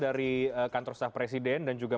dari kantor staf presiden dan juga